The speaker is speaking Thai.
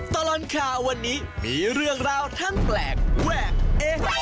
ตลอดข่าววันนี้มีเรื่องราวทั้งแปลกแวกเอ๊